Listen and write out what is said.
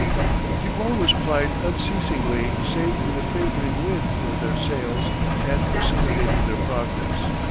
The oar was plied unceasingly save when a favoring wind filled their sails and facilitated their progress.